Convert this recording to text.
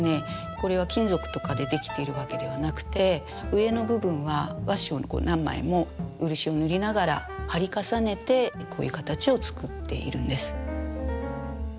これは金属とかで出来ているわけではなくて上の部分は和紙を何枚も漆を塗りながら張り重ねてこういう形を作っているんです。